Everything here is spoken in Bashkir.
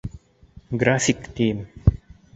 График, тием!